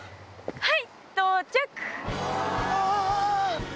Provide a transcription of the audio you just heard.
はい！